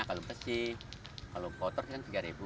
kalau bersih kalau kotor tiga ribu